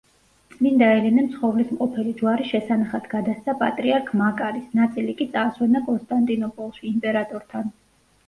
წმინდა ელენემ ცხოველსმყოფელი ჯვარი შესანახად გადასცა პატრიარქ მაკარის, ნაწილი კი წაასვენა კონსტანტინოპოლში, იმპერატორთან.